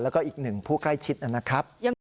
แล้วก็อีกหนึ่งผู้ใกล้ชิดนะครับ